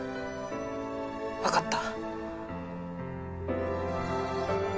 わかった。